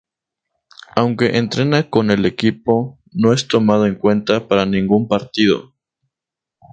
Aunque entrena con el equipo no es tomado en cuenta para ningún partido.